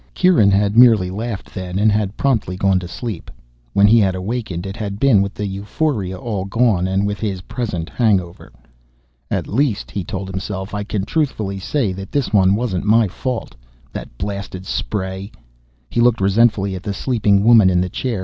Kieran had merely laughed then, and had promptly gone to sleep. When he had awakened, it had been with the euphoria all gone and with his present hangover. "At least," he told himself, "I can truthfully say that this one wasn't my fault. That blasted spray " He looked resentfully at the sleeping woman in the chair.